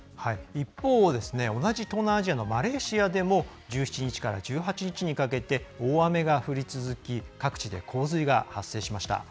一方、同じ東南アジアのマレーシアでも１７日から１８日にかけて大雨が降り続き各地で洪水が発生しました。